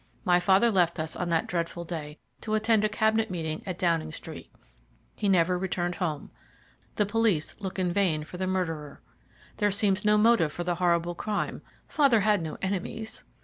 My father left us on that dreadful day to attend a Cabinet meeting at Downing Street. He never returned home. The police look in vain for the murderer. There seems no motive for the horrible crime father had no enemies."